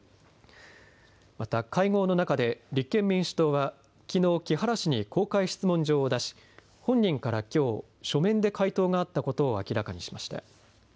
また会合の中で立憲民主党はきのう木原氏に公開質問状を出し本人からきょう、書面で回答があったことを明らかにしました。